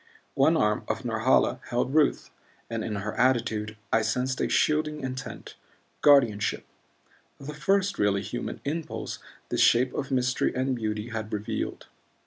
One arm of Norhala held Ruth and in her attitude I sensed a shielding intent, guardianship the first really human impulse this shape of mystery and beauty had revealed.